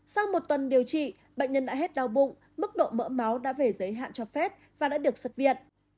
sau một tuần điều trị bệnh nhân đã hết đau bụng mức độ mỡ máu đã về giới hạn cho phép và đã được xuất viện